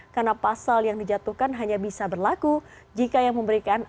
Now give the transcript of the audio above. karena pasal yang dijatuhkan hanya bisa berlaku jika yang memberikan